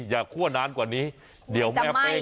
คั่วนานกว่านี้เดี๋ยวแม่เป้ง